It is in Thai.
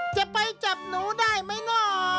จะไปจับหนูได้ไหมเนาะ